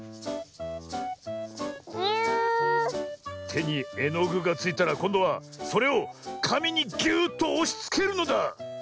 てにえのぐがついたらこんどはそれをかみにぎゅっとおしつけるのだ。